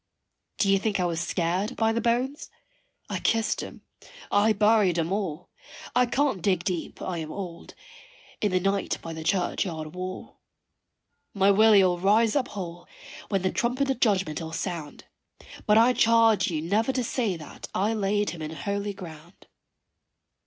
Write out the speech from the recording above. Do you think I was scared by the bones? I kissed 'em, I buried 'em all I can't dig deep, I am old in the night by the churchyard wall. My Willy 'ill rise up whole when the trumpet of judgment 'ill sound, But I charge you never to say that I laid him in holy ground.